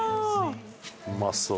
うまそう！